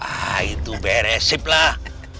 ah itu beres sip lah